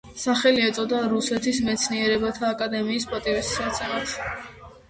სახელი ეწოდა რუსეთის მეცნიერებათა აკადემიის პატივსაცემად.